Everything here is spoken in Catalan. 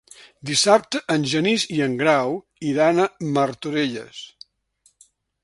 Dissabte en Genís i en Grau iran a Martorelles.